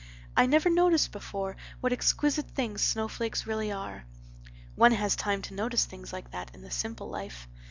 I never noticed before what exquisite things snowflakes really are. One has time to notice things like that in the simple life.